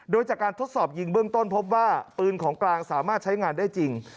โดยจากการทดสอบยิงเบื้องต้นพบว่าปืนของกลางสามารถใช้งานได้จริง